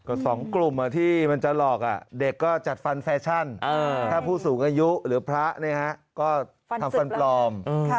ก็๒กลุ่มที่มันจะหลอกเด็กก็จัดฟันแฟชั่นถ้าผู้สูงอายุหรือพระก็ทำฟันปลอม